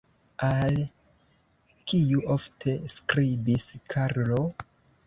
Al kiu ofte skribis Karlo?